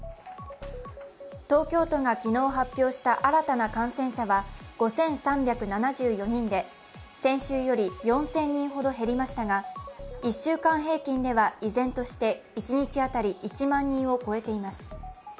東京都が昨日発表した新たな感染者は５３７４人で先週より４０００人ほど減りましたが、１週間平均では依然として一日当たり１万人を超えています。